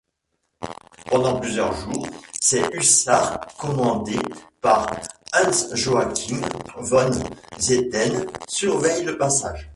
Pendant plusieurs jours, ses hussards, commandés par Hans Joachim von Zieten, surveillent le passage.